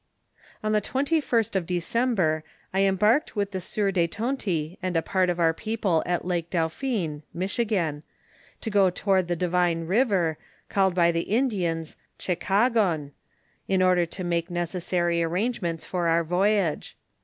On the 21st of December, I embarked with the sieur de Tonty and a part of our people on Lake Dauphin (Michigan), to go toward the divine river, called by the Indians Checa gou, in order to make necessary arrangements for our voyage.